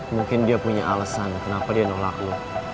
mungkin dia punya alasan kenapa dia nolak lu